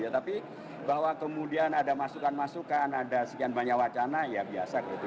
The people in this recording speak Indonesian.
tapi bahwa kemudian ada masukan masukan ada sekian banyak wacana ya biasa gitu